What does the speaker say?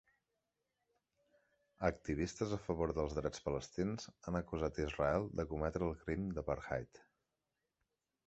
Activistes a favor dels drets palestins han acusat Israel de cometre el crim d'apartheid.